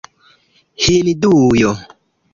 Hindujo